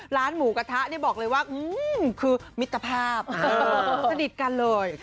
ร้านหมูกระทะนี่บอกเลยว่าคือมิตรภาพสนิทกันเลย